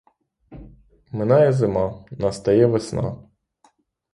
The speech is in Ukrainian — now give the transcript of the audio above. Минає зима, настає весна.